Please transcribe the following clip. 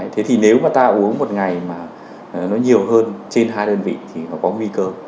thế thì nếu mà ta uống một ngày mà nó nhiều hơn trên hai đơn vị thì nó có nguy cơ